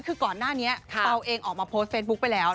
คือก่อนหน้านี้เปล่าเองออกมาโพสต์เฟซบุ๊คไปแล้ว